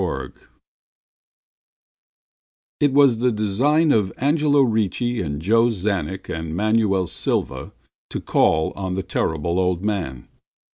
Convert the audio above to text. Lovecraft It was the design of Angelo Ricci and Joe Czanek and Manuel Silva to call on the Terrible Old Man.